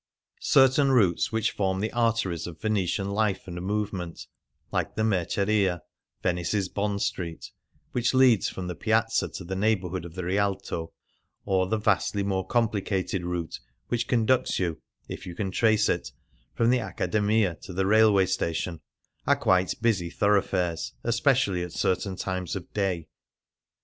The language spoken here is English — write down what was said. Certain routes which form the arteries ot Venetian life and movement, like the Merceria — Venice's Bond Street — which leads from the Piazza to the neighbourhood of the Rialto ; 'or the vastly more complicated route which conducts you (if you can trace it) from the Accademia to the railway station, are quite busy thorough fares, especially at certain times of day.